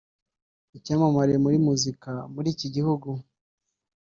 icyamamare muri muzika muri iki gihugu